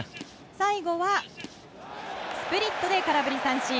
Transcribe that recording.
最後はスプリットで空振り三振。